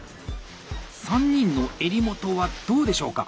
３人の襟元はどうでしょうか？